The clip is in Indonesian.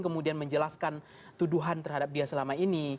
kemudian menjelaskan tuduhan terhadap dia selama ini